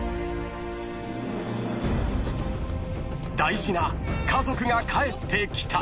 ［大事な家族が帰ってきた］